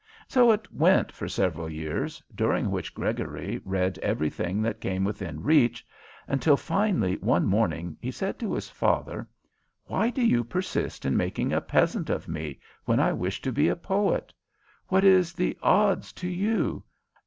So it went for several years, during which Gregory read everything that came within reach, until finally one morning he said to his father: 'Why do you persist in making a peasant of me when I wish to be a poet? What is the odds to you?